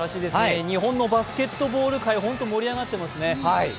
日本のバスケットボール界盛り上がってますね。